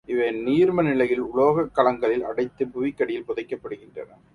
இவை நீர்ம நிலையில் உலோகக் கலங்களில் அடைத்து புவிக்கடியில் புதைக்கப்படுகின்றன.